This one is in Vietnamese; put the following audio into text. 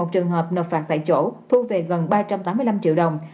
bảy trăm một mươi một trường hợp nộp phạt tại chỗ thu về gần ba trăm tám mươi năm triệu đồng